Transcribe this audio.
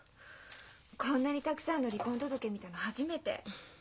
こんなにたくさんの離婚届見たの初めて。